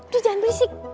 tuh jangan berisik